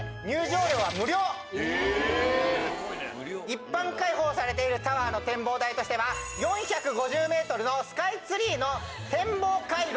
一般開放されているタワーの展望台としては４５０ｍのスカイツリーの天望回廊。